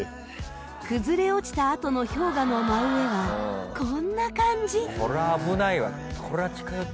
崩れ落ちたあとの氷河の真上はこんな感じ。